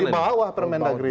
di bawah permendagri